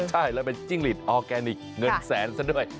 ใช่แล้วเป็นจิ้งหลีดออร์แกนิคเงินแสนซะด้วย